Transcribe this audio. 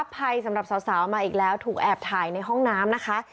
ภัยสำหรับสาวมาอีกแล้วถูกแอบถ่ายในห้องน้ำนะคะ